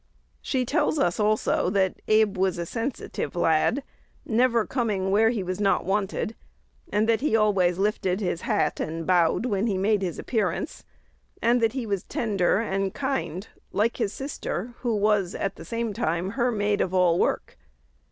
She tells us also that "Abe was a sensitive lad, never coming where he was not wanted;" that he always lifted his hat, and bowed, when he made his appearance; and that "he was tender and kind," like his sister, who was at the same time her maid of all work.